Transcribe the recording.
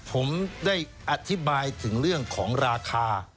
ผมได้อธิบายถึงเรื่องของราคา